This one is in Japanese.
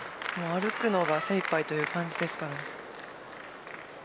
歩くのが精いっぱいという感じです。